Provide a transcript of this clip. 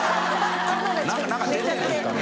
何か出てるんですかね